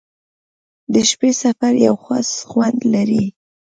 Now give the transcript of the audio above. • د شپې سفر یو خاص خوند لري.